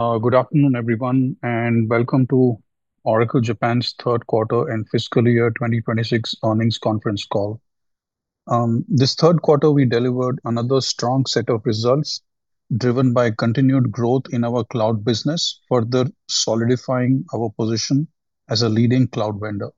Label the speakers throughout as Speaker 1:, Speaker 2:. Speaker 1: Good afternoon, everyone and welcome to Oracle Japan's Third Quarter and Fiscal Year 2026 Earnings Conference Call. This third quarter, we delivered another strong set of results driven by continued growth in our cloud business, further solidifying our position as a leading cloud vendor.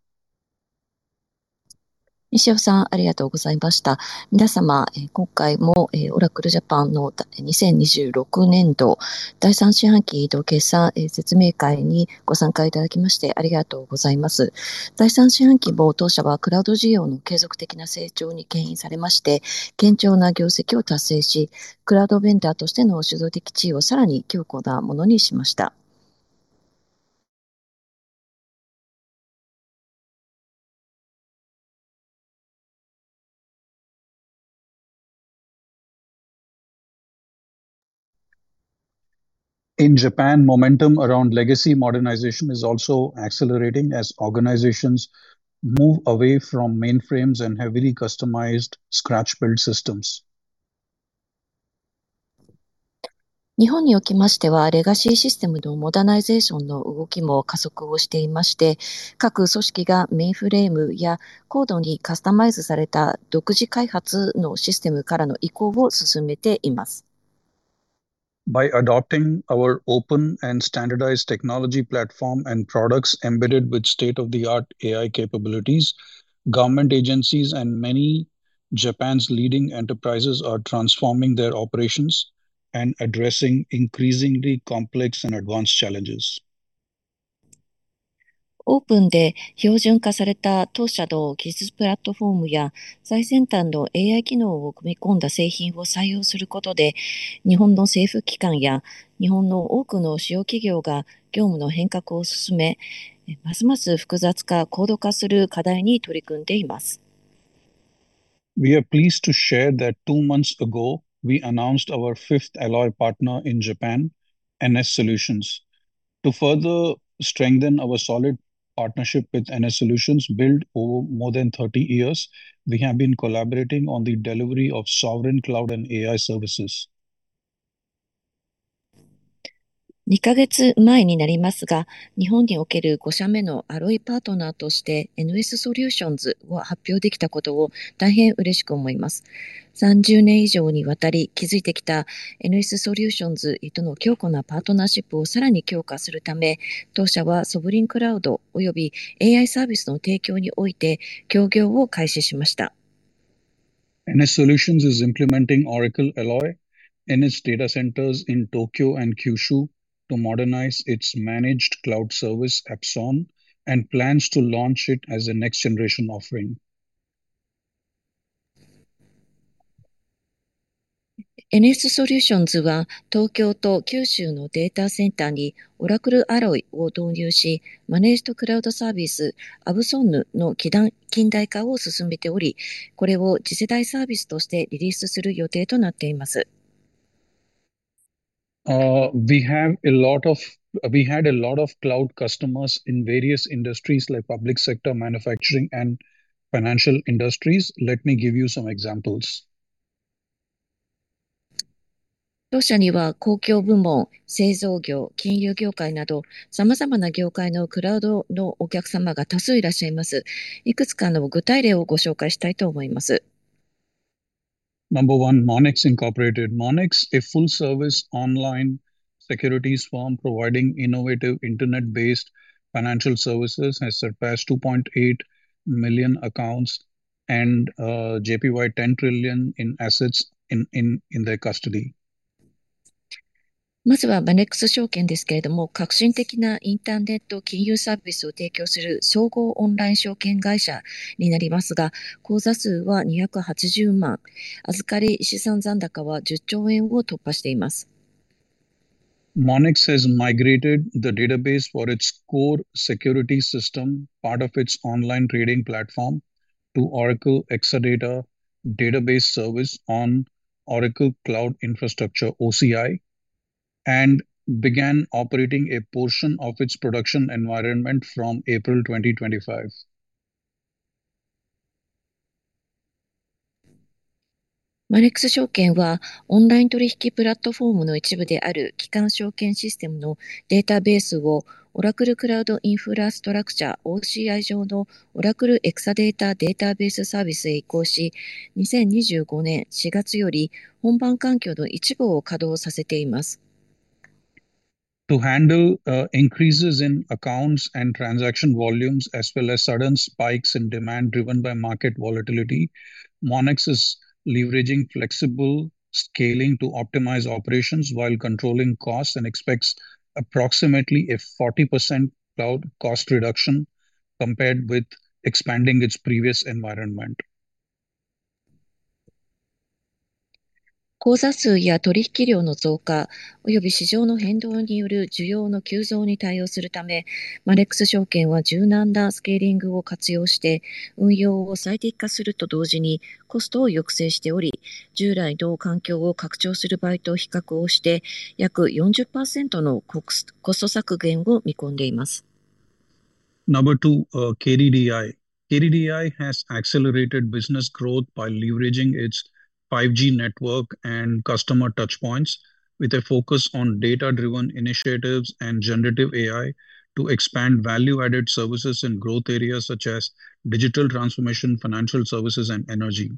Speaker 1: In Japan, momentum around legacy modernization is also accelerating as organizations move away from mainframes and heavily customized scratch build systems.
Speaker 2: 日本におきましては、レガシーシステムのモダナイゼーションの動きも加速をしていまして、各組織がメインフレームや高度にカスタマイズされた独自開発のシステムからの移行を進めています。
Speaker 1: By adopting our open and standardized technology platform and products embedded with state of the art AI capabilities, government agencies and many Japan's leading enterprises are transforming their operations and addressing increasingly complex and advanced challenges.
Speaker 2: オープンで標準化された当社の技術プラットフォームや最先端のAI機能を組み込んだ製品を採用することで、日本の政府機関や日本の多くの主要企業が業務の変革を進め、ますます複雑化、高度化する課題に取り組んでいます。
Speaker 1: We are pleased to share that two months ago we announced our fifth Alloy partner in Japan, NS Solutions. To further strengthen our solid partnership with NS Solutions built over more than 30 years, we have been collaborating on the delivery of Sovereign Cloud and AI services.
Speaker 2: 二ヶ月前になりますが、日本における五社目のアロイパートナーとしてNS Solutionsを発表できたことを大変嬉しく思います。三十年以上にわたり築いてきたNS Solutionsとの強固なパートナーシップをさらに強化するため、当社はSovereign CloudおよびAIサービスの提供において協業を開始しました。
Speaker 1: NS Solutions is implementing Oracle Alloy in its data centers in Tokyo and Kyushu to modernize its managed cloud service, absonne, and plans to launch it as a next generation offering.
Speaker 2: NS Solutions は、東京と九州のデータセンターに Oracle Alloy を導入し、マネージドクラウドサービス absonne の近代化を進めており、これを次世代サービスとしてリリースする予定となっています。
Speaker 1: We had a lot of cloud customers in various industries like public sector manufacturing and financial industries. Let me give you some examples.
Speaker 2: 当社には、公共部門、製造業、金融業界など様々な業界のクラウドのお客様が多数いらっしゃいます。いくつかの具体例をご紹介したいと思います。
Speaker 1: Number one, Monex, Inc. Monex, a full-service online securities firm providing innovative internet-based financial services, has surpassed 2.8 million accounts and JPY 10 trillion in assets in their custody.
Speaker 2: まずはマネックス証券ですけれども、革新的なインターネット金融サービスを提供する総合オンライン証券会社になりますが、口座数は280万、預かり資産残高は10兆円を突破しています。
Speaker 1: Monex has migrated the database for its core security system, part of its online trading platform, to Oracle Exadata Database Service on Oracle Cloud Infrastructure OCI, and began operating a portion of its production environment from April 2025.
Speaker 2: マネックス証券は、オンライン取引プラットフォームの一部である基幹証券システムのデータベースをOracle Cloud Infrastructure（OCI）上のOracle Exadata Database Serviceへ移行し、2025年4月より本番環境の一部を稼働させています。
Speaker 1: To handle increases in accounts and transaction volumes as well as sudden spikes in demand driven by market volatility, Monex is leveraging flexible scaling to optimize operations while controlling costs, and expects approximately 40% cloud cost reduction compared with expanding its previous environment.
Speaker 2: 口座数や取引量の増加、および市場の変動による需要の急増に対応するため、マネックス証券は柔軟なスケーリングを活用して運用を最適化すると同時にコストを抑制しており、従来の動環境を拡張する場合と比較して、約40%のコスト削減を見込んでいます。
Speaker 1: Number two, KDDI. KDDI has accelerated business growth by leveraging its 5G network and customer touchpoints with a focus on data-driven initiatives and generative AI to expand value-added services in growth areas such as digital transformation, financial services, and energy.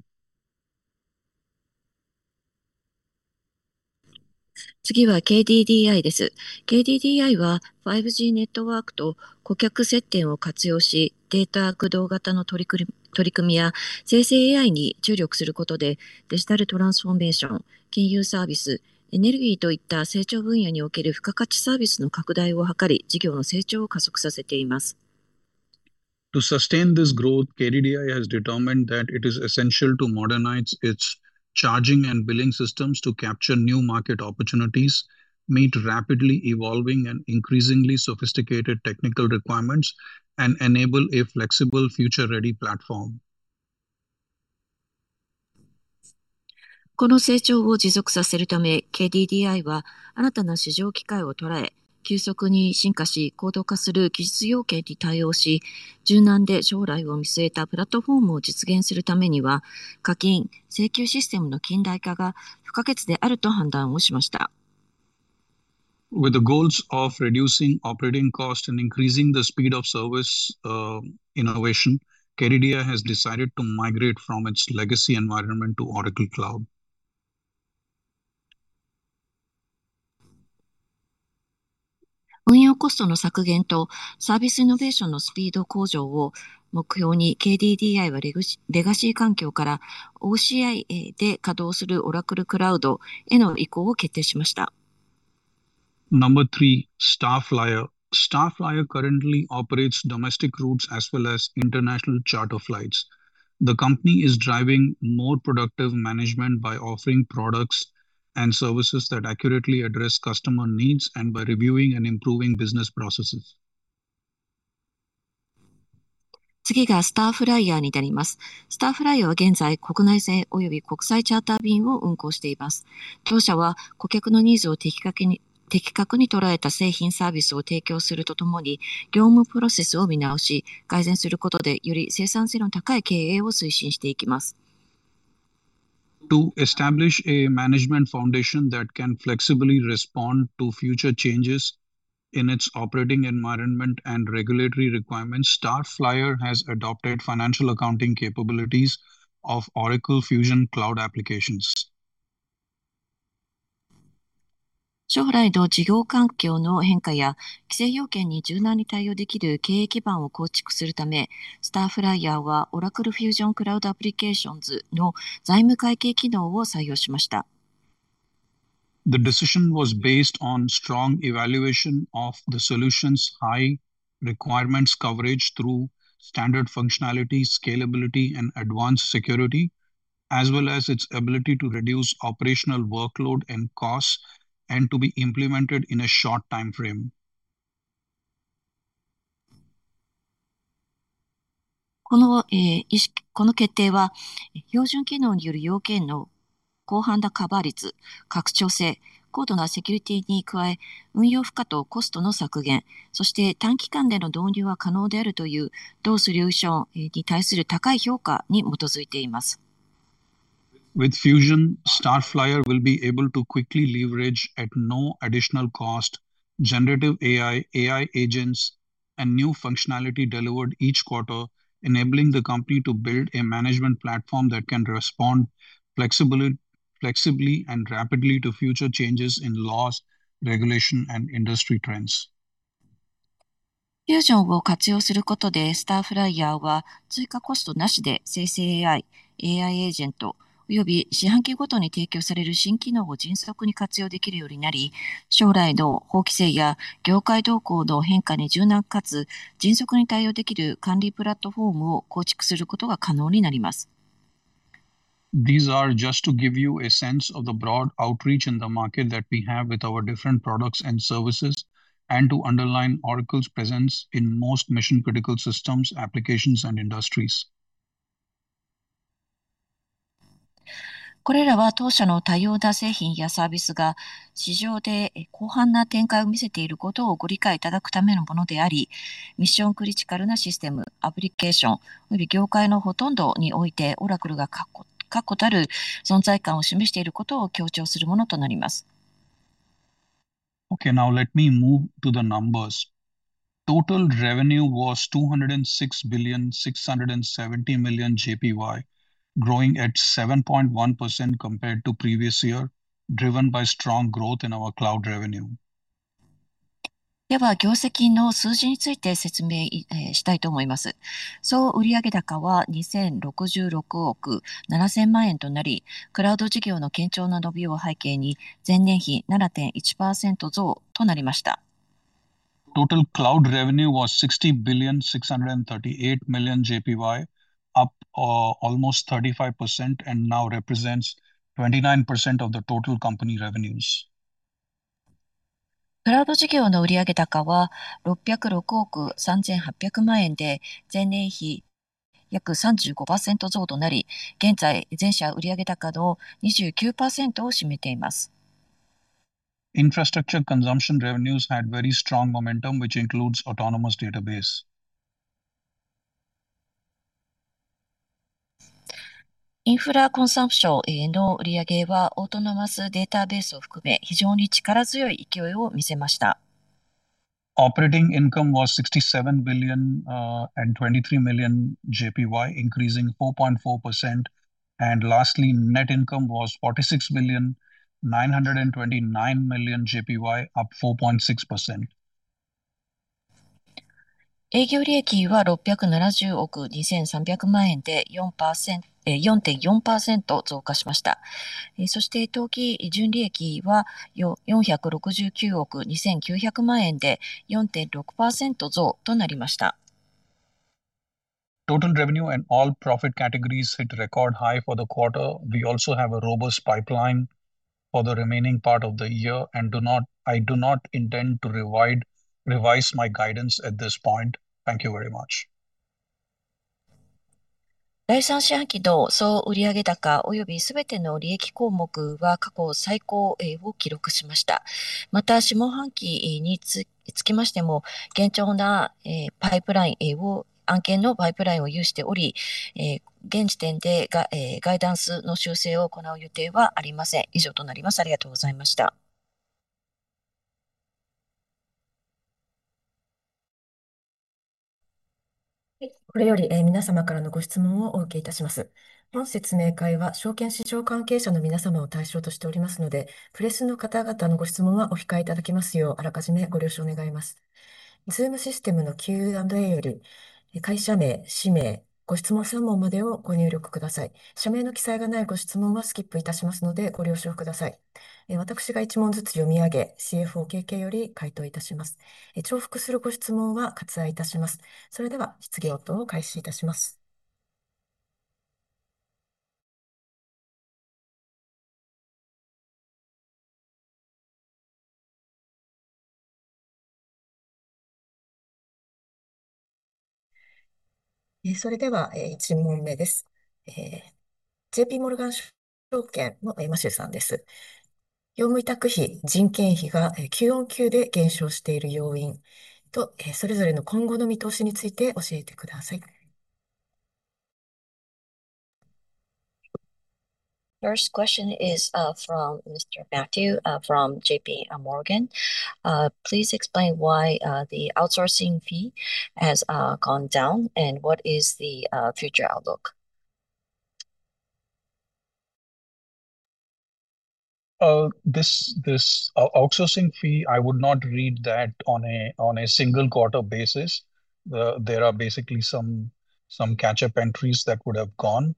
Speaker 2: 次はKDDIです。KDDIは5Gネットワークと顧客接点を活用し、データ駆動型の取り組みや生成AIに注力することで、デジタルトランスフォーメーション、金融サービス、エネルギーといった成長分野における付加価値サービスの拡大を図り、事業の成長を加速させています。
Speaker 1: To sustain this growth, KDDI has determined that it is essential to modernize its charging and billing systems to capture new market opportunities, meet rapidly evolving and increasingly sophisticated technical requirements, and enable a flexible, future-ready platform.
Speaker 2: この成長を持続させるため、KDDIは新たな市場機会を捉え、急速に進化し、高度化する技術要件に対応し、柔軟で将来を見据えたプラットフォームを実現するためには、課金請求システムの近代化が不可欠であると判断をしました。
Speaker 1: With the goals of reducing operating costs and increasing the speed of service, innovation, KDDI has decided to migrate from its legacy environment to Oracle Cloud.
Speaker 2: 運用コストの削減とサービスイノベーションのスピード向上を目標に、KDDIはレガシー環境からOCIで稼働するOracle Cloudへの移行を決定しました。
Speaker 1: Number three, Star Flyer. Star Flyer currently operates domestic routes as well as international charter flights. The company is driving more productive management by offering products and services that accurately address customer needs, and by reviewing and improving business processes.
Speaker 2: 次がスターフライヤーになります。スターフライヤーは現在、国内線および国際チャーター便を運航しています。当社は、顧客のニーズを的確に捉えた製品サービスを提供するとともに、業務プロセスを見直し、改善することで、より生産性の高い経営を推進していきます。
Speaker 1: To establish a management foundation that can flexibly respond to future changes in its operating environment and regulatory requirements, Star Flyer has adopted financial accounting capabilities of Oracle Fusion Cloud Applications.
Speaker 2: 将来の事業環境の変化や規制要件に柔軟に対応できる経営基盤を構築するため、スターフライヤーはOracle Fusion Cloud Applicationsの財務会計機能を採用しました。
Speaker 1: The decision was based on strong evaluation of the solution's high requirements coverage through standard functionality, scalability, and advanced security, as well as its ability to reduce operational workload and costs and to be implemented in a short time frame.
Speaker 2: この決定は、標準機能による要件の広範なカバー率、拡張性、高度なセキュリティに加え、運用負荷とコストの削減、そして短期間での導入が可能であるという同ソリューションに対する高い評価に基づいています。
Speaker 1: With Fusion, Star Flyer will be able to quickly leverage at no additional cost generative AI agents, and new functionality delivered each quarter, enabling the company to build a management platform that can respond flexibly and rapidly to future changes in laws, regulation and industry trends.
Speaker 2: Fusionを活用することで、スターフライヤーは追加コストなしで生成AI、AIエージェント、および四半期ごとに提供される新機能を迅速に活用できるようになり、将来の法規制や業界動向の変化に柔軟かつ迅速に対応できる管理プラットフォームを構築することが可能になります。
Speaker 1: These are just to give you a sense of the broad outreach in the market that we have with our different products and services, and to underline Oracle's presence in most mission critical systems, applications and industries.
Speaker 2: これらは、当社の多様な製品やサービスが市場で広範な展開を見せていることをご理解いただくためのものであり、ミッションクリティカルなシステム、アプリケーション、および業界のほとんどにおいて、Oracleが確固たる存在感を示していることを強調するものとなります。
Speaker 1: Okay, now let me move to the numbers. Total revenue was 206.67 billion, growing at 7.1% compared to previous year, driven by strong growth in our cloud revenue.
Speaker 2: では、業績の数字について説明したいと思います。総売上高は2,066億7,000万円となり、クラウド事業の堅調な伸びを背景に前年比7.1%増となりました。
Speaker 1: Total cloud revenue was JPY 60.638 billion, up almost 35% and now represents 29% of the total company revenues.
Speaker 2: クラウド事業の売上高は606億3,800万円で、前年比約35%増となり、現在、全社売上高の29%を占めています。
Speaker 1: Infrastructure consumption revenues had very strong momentum, which includes Autonomous Database.
Speaker 2: インフラコンサムションの売上は、Autonomous Databaseを含め非常に力強い勢いを見せました。
Speaker 1: Operating income was JPY 67.023 billion, increasing 4.4%. Lastly, net income was JPY 46.929 billion, up 4.6%.
Speaker 2: 営業利益は670億2,300万円で、4.4%増加しました。そして当期純利益は469億2,900万円で4.6%増となりました。
Speaker 1: Total revenue and all profit categories hit record high for the quarter. We also have a robust pipeline for the remaining part of the year and I do not intend to revise my guidance at this point. Thank you very much.
Speaker 2: First question is from Mr. Matthew from JPMorgan. Please explain why the outsourcing fee has gone down and what is the future outlook.
Speaker 1: This outsourcing fee. I would not read that on a single quarter basis. There are basically some catch up entries that would have gone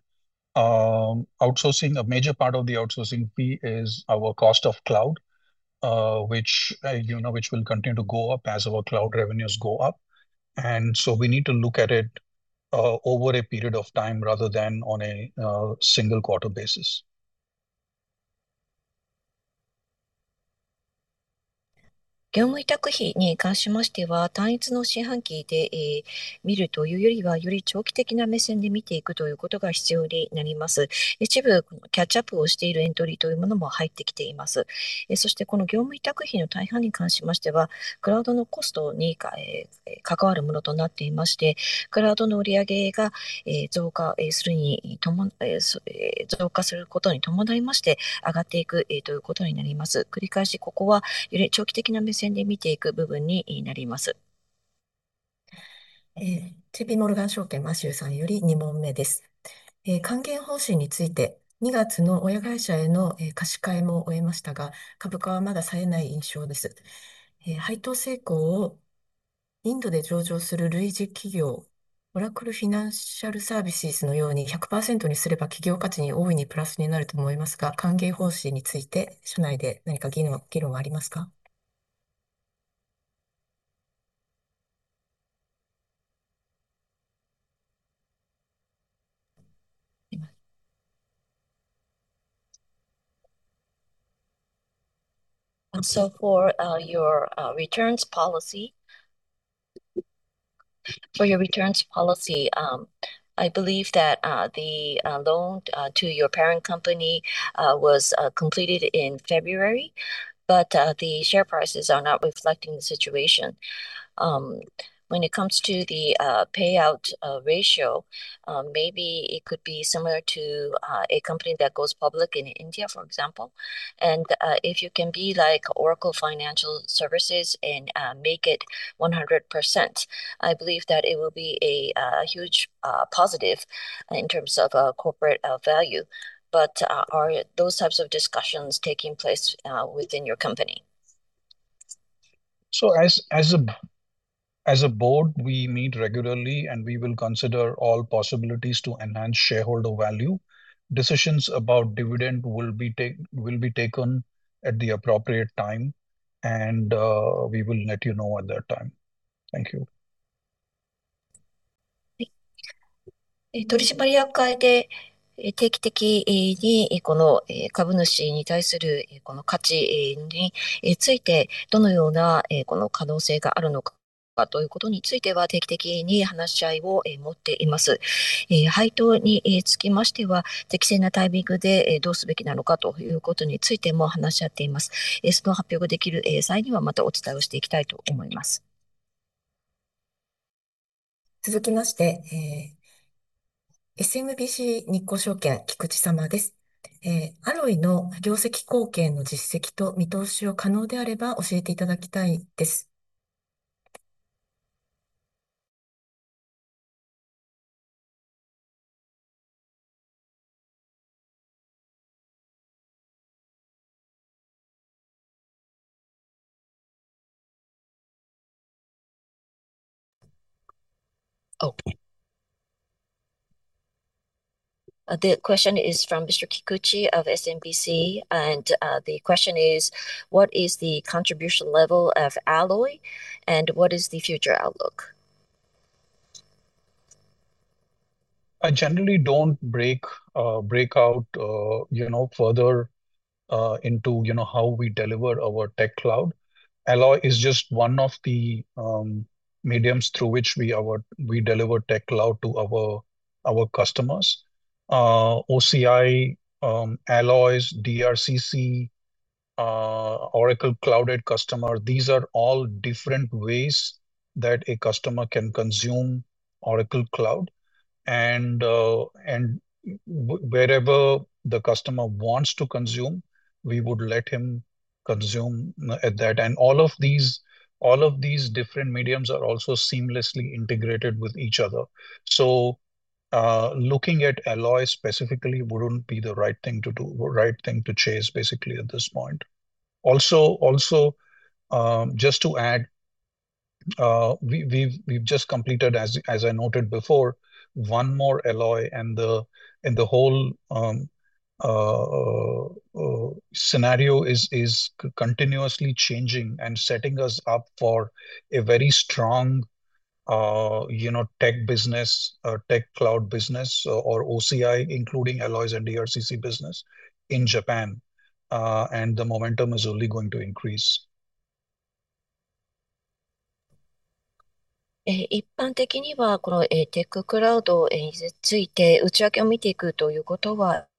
Speaker 1: outsourcing. A major part of the outsourcing fee is our cost of cloud, which, you know, will continue to go up as our cloud revenues go up. We need to look at it over a period of time rather than on a single quarter basis.
Speaker 2: For your returns policy. I believe that the loan to your parent company was completed in February, but the share prices are not reflecting the situation when it comes to the payout ratio. Maybe it could be similar to a company that goes public in India, for example. If you can be like Oracle Financial Services and make it 100%, I believe that it will be a huge positive in terms of corporate value. Are those types of discussions taking place within your company?
Speaker 1: As a board, we meet regularly and we will consider all possibilities to enhance shareholder value. Decisions about dividend will be taken at the appropriate time, and we will let you know at that time. Thank you.
Speaker 2: 取締役会で定期的にこの株主に対するこの価値についてどのようなこの可能性があるのか、ということについては定期的に話し合いを持っています。配当につきましては、適切なタイミングでどうすべきなのかということについても話し合っています。その発表ができる際には、またお伝えをしていきたいと思います。
Speaker 3: 続きまして、ＳＭＢＣ日興証券、菊池様です。Oracle Alloyの業績貢献の実績と見通しを可能であれば教えていただきたいです。
Speaker 2: The question is from Mr. Kikuchi of SMBC. The question is what is the contribution level of Alloy and what is the future outlook?
Speaker 1: I generally don't break out, you know, further into, you know, how we deliver our Technology Cloud. Alloy is just one of the mediums through which we deliver Technology Cloud to our customers, OCI, Alloy, DRCC, Oracle Cloud@Customer. These are all different ways that a customer can consume Oracle Cloud and wherever the customer wants to consume, we would let him consume that. All of these different mediums are also seamlessly integrated with each other. Looking at Alloy specifically wouldn't be the right thing to do or right thing to chase basically at this point. Also, just to add, we've just completed, as I noted before, one more Alloy and the whole scenario is continuously changing and setting us up for a very strong, you know, tech business or Technology Cloud business or OCI, including Alloys and DRCC business in Japan. The momentum is only going to increase.
Speaker 2: 一般的にはこのTechnology Cloudについて内訳を見ていくということはしておりません。そしてAlloyというのはTechnology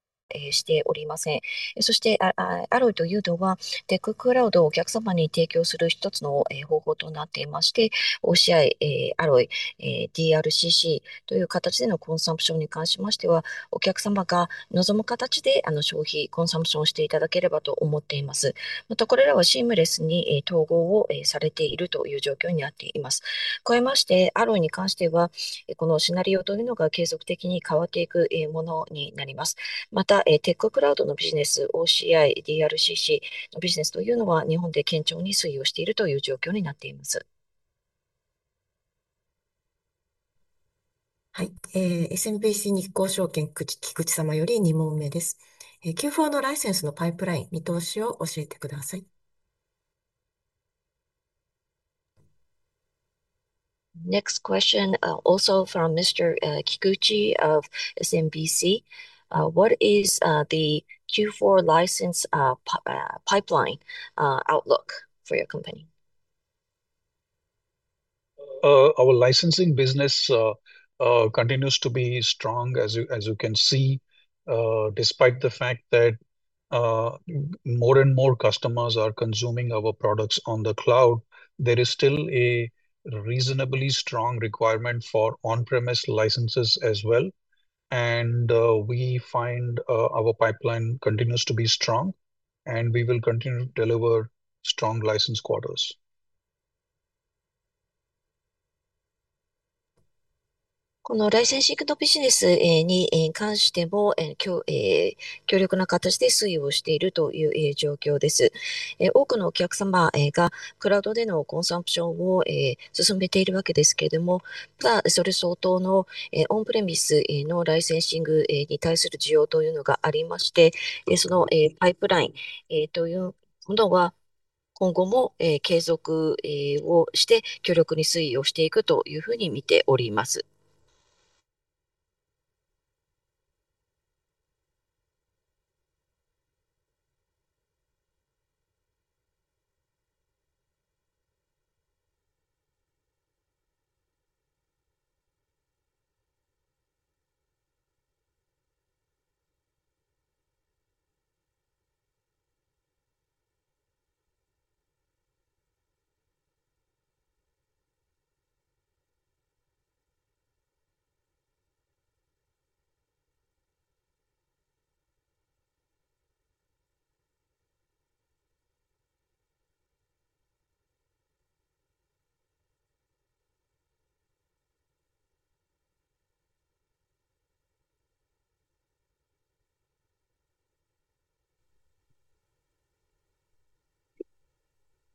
Speaker 2: Cloudをお客様に提供する一つの方法となっておりまして、OCI、Alloy、DRCCという形でのコンサムションに関しましては、お客様が望む形で消費コンサムションをしていただければと思っています。また、これらはシームレスに統合をされているという状況になっています。加えまして、Alloyに関してはこのシナリオというのが継続的に変わっていくものになります。また、Technology CloudのビジネスOCI、DRCCのビジネスというのは日本で堅調に推移をしているという状況になっています。
Speaker 3: SMBC日興証券菊池様より二問目です。Q4のライセンスのパイプライン見通しを教えてください。
Speaker 2: Next question also from Mr. Kikuchi of SMBC. What is the Q4 license pipeline outlook for your company?
Speaker 1: Our licensing business continues to be strong as you can see, despite the fact that more and more customers are consuming our products on the cloud, there is still a reasonably strong requirement for on-premises licenses as well. We find our pipeline continues to be strong and we will continue to deliver strong license quarters.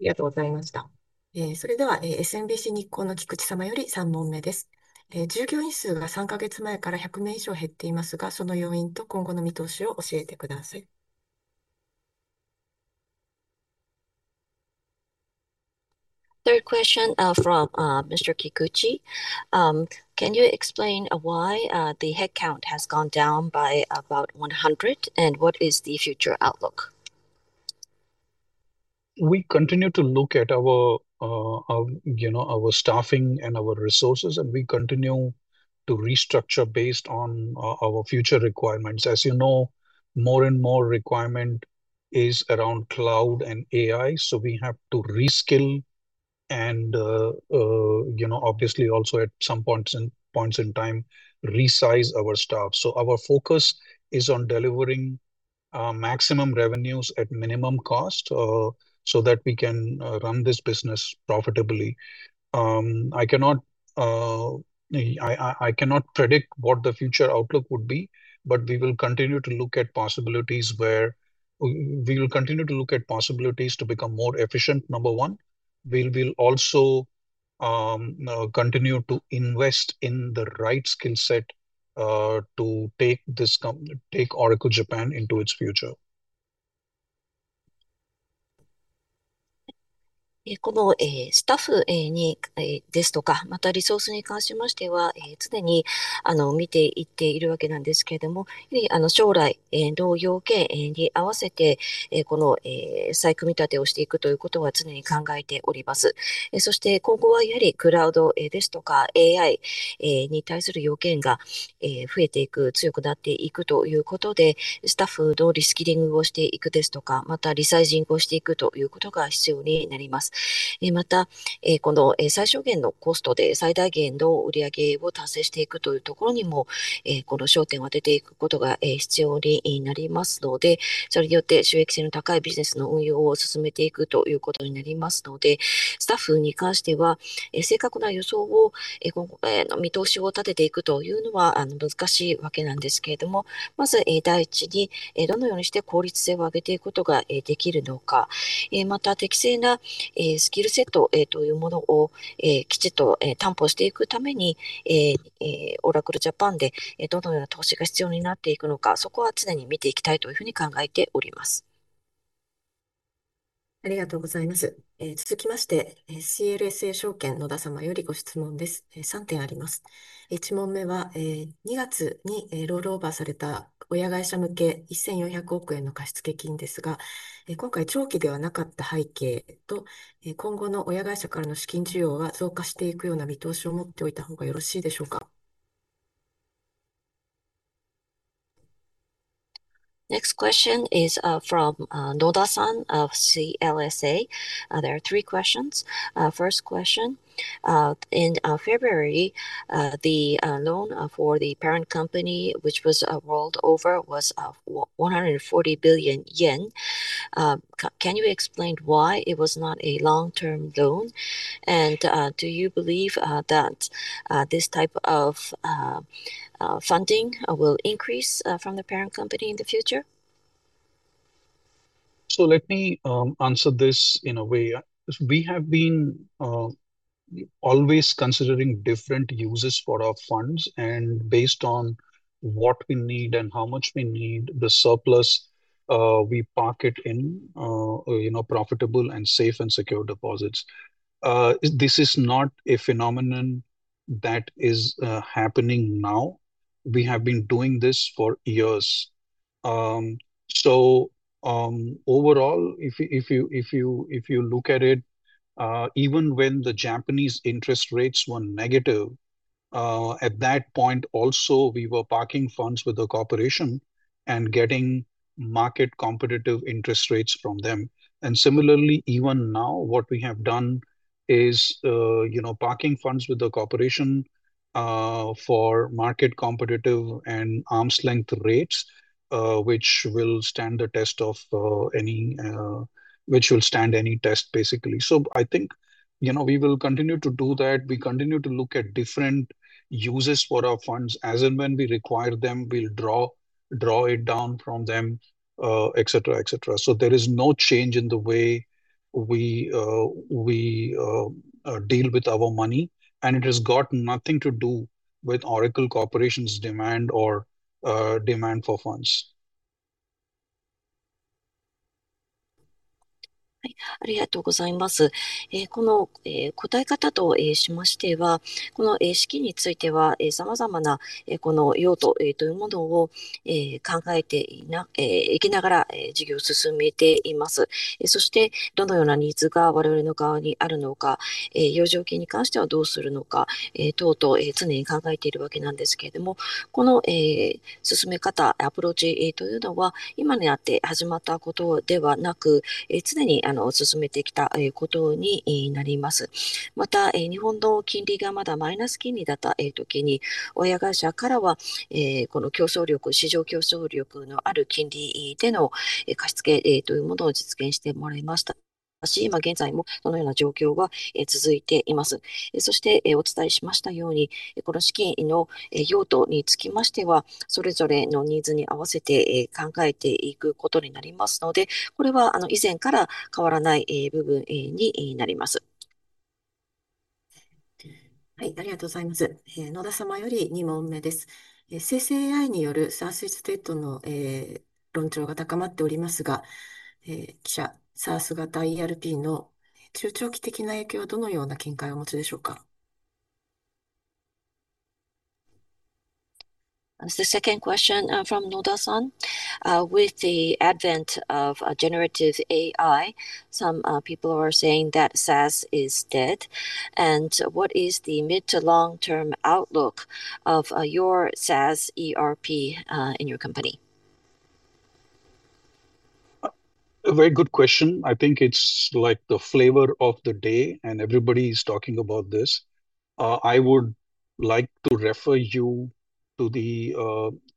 Speaker 2: Third question from Mr. Kikuchi. Can you explain why the headcount has gone down by about 100? What is the future outlook?
Speaker 1: We continue to look at our, you know, our staffing and our resources, and we continue to restructure based on our future requirements. As you know, more and more requirement is around cloud and AI. We have to reskill. You know, obviously also at some points in time resize our staff. Our focus is on delivering maximum revenues at minimum cost so that we can run this business profitably. I cannot predict what the future outlook would be, but we will continue to look at possibilities where we will continue to look at possibilities to become more efficient. Number one, we will also continue to invest in the right skill set to take Oracle Japan into its future.
Speaker 2: Next question is from Noda-san of CLSA. There are three questions. First question in February. The loan for the parent company, which was rolled over, was 140 billion yen. Can you explain why it was not a long term loan? Do you believe that this type of funding will increase from the parent company in the future?
Speaker 1: Let me answer this in a way. We have been always considering different uses for our funds and based on what we need and how much we need the surplus we park it in, you know, profitable and safe and secure deposits. This is not a phenomenon that is happening now. We have been doing this for years. Overall, if you look at it, even when the Japanese interest rates were negative at that point also we were parking funds with the corporation and getting market competitive interest rates from them. Similarly, even now, what we have done is, you know, parking funds with the corporation for market competitive and arm's length rates, which will stand any test, basically. I think, you know, we will continue to do that. We continue to look at different uses for our funds as and when we require them. We'll draw it down from them, et cetera. There is no change in the way we deal with our money. It has got nothing to do with Oracle Corporation's demand for funds.
Speaker 3: はい、ありがとうございます。野田様より2問目です。生成AIによるSaaS is deadの論調が高まっておりますが、貴社SaaSがERPの中長期的な影響はどのような見解をお持ちでしょうか。
Speaker 2: The second question from Noda-san. With the advent of generative AI, some people are saying that SaaS is dead. What is the mid- to long-term outlook of your SaaS ERP in your company?
Speaker 1: A very good question. I think it's like the flavor of the day and everybody is talking about this. I would like to refer you to the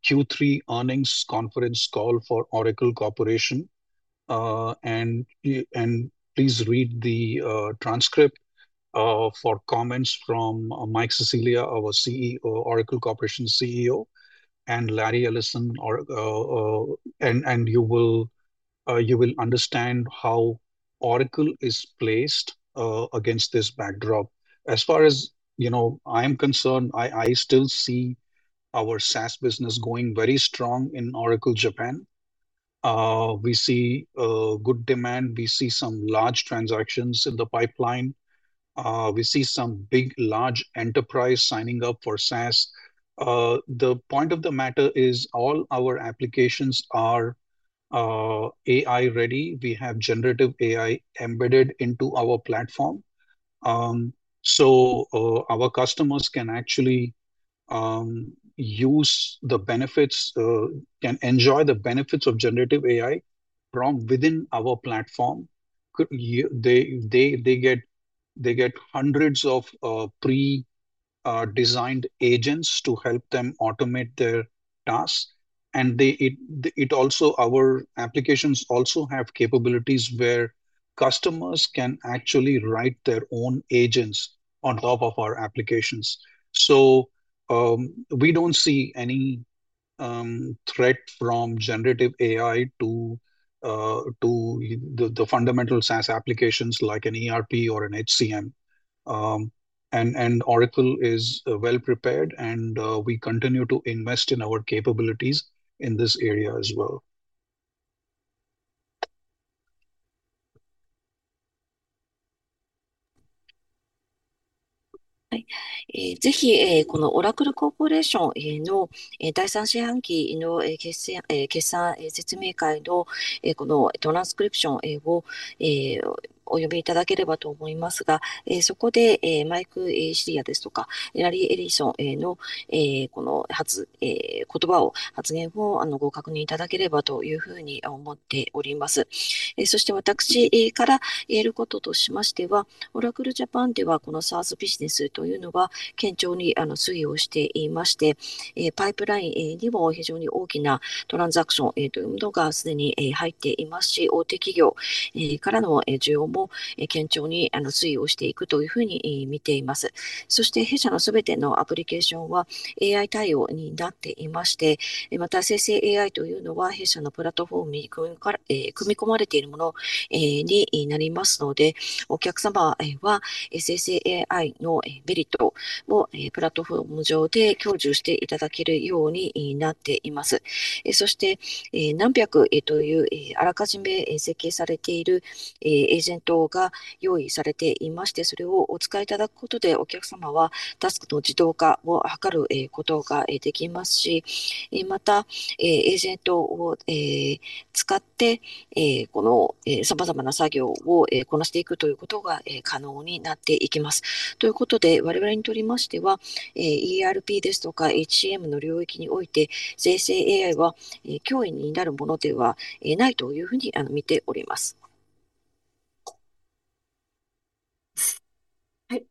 Speaker 1: Q3 earnings conference call for Oracle Corporation. Please read the transcript for comments from Mike Sicilia, our CEO, Oracle Corporation CEO, and Larry Ellison, and you will understand how Oracle is placed against this backdrop. As far as I'm concerned, I still see our SaaS business going very strong in Oracle Japan. We see a good demand. We see some large transactions in the pipeline. We see some big large enterprise signing up for SaaS. The point of the matter is all our applications are AI ready. We have generative AI embedded into our platform. Our customers can enjoy the benefits of generative AI from within our platform. They get hundreds of pre-designed agents to help them automate their tasks. Our applications also have capabilities where customers can actually write their own agents on top of our applications. We don't see any threat from generative AI to the fundamental SaaS applications like an ERP or an HCM. Oracle is well prepared and we continue to invest in our capabilities in this area as well.
Speaker 2: ぜひこのOracle Corporationの第三四半期の決算説明会のこのトランスクリプションをお読みいただければと思いますが、そこでMike SiciliaですとかラリーエリソンへのこのQ&Aの発言をご確認いただければというふうに思っております。そして、私から言えることとしましては、Oracle Third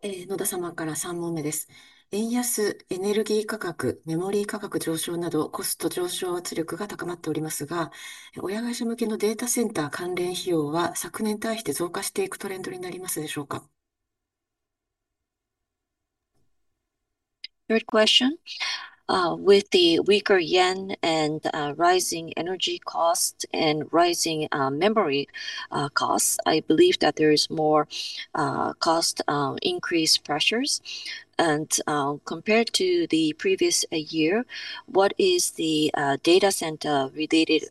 Speaker 2: question. With the weaker yen and rising energy costs and rising memory costs, I believe that there is more cost increase pressures. Compared to the previous year, what is the data center related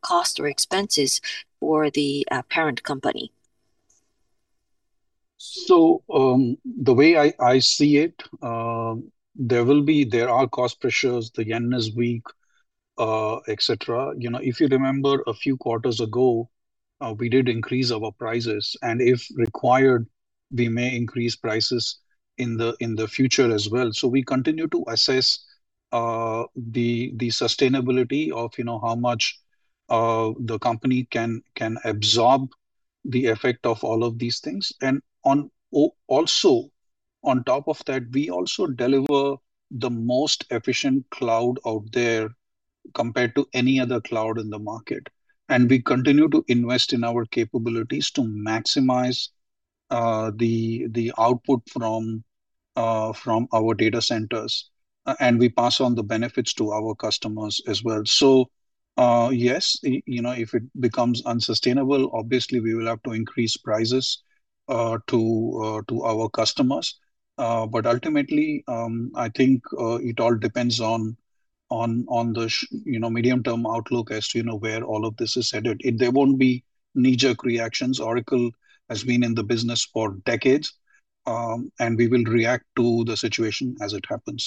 Speaker 2: cost or expenses for the parent company?
Speaker 1: The way I see it, there are cost pressures. The yen is weak, etcetera. You know, if you remember a few quarters ago we did increase our prices and if required, we may increase prices in the future as well. We continue to assess the sustainability of, you know, how much the company can absorb the effect of all of these things. Also on top of that, we also deliver the most efficient cloud out there compared to any other cloud in the market, and we continue to invest in our capabilities to maximize the output from our data centers, and we pass on the benefits to our customers as well. Yes, you know, if it becomes unsustainable, obviously we will have to increase prices to our customers. Ultimately I think it all depends on the, you know, medium term outlook as to, you know, where all of this is headed. There won't be knee-jerk reactions. Oracle has been in the business for decades. We will react to the situation as it happens.